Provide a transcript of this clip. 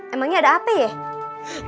emangnya ada apa ya